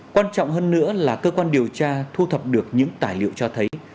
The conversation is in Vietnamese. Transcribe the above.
quan trọng hơn nữa là cơ quan điều tra thu thập được những tài liệu cho thấy